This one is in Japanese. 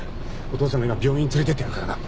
お父さんが今病院に連れてってやるからな。